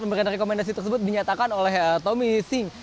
pemberitaan rekomendasi tersebut dinyatakan oleh tommy singh